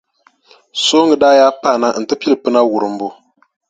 Sooŋa daa yaa paana nti pili pina wurimbu.